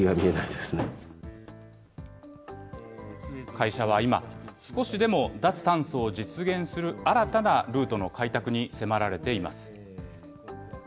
会社は今、少しでも脱炭素を実現する新たなルートの開拓に迫られています。